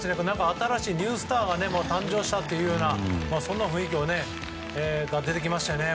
新しいニュースターが誕生したというようなそんな雰囲気が出てきましたね。